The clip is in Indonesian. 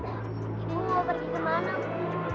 ibu mau pergi ke mana ibu